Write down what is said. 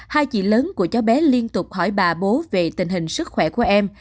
hai chị lớn của cháu bé liên tục hỏi bà bố về tình hình sức khỏe của em